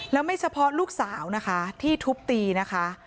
แล้วไม่เฉพาะลูกสาวนะคะที่ทุบตีนะคะ